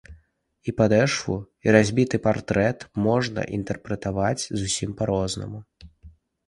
І падэшву, і разбіты партрэт можна інтэрпрэтаваць зусім па-рознаму.